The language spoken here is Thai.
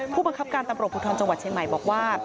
ผู้บังคับการตำรวจภูทรจังหวัดเชียงใหม่บอกว่า